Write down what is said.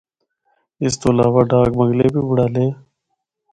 اس تو علاوہ ’ڈاک بنگلے‘ بھی بنڑالے۔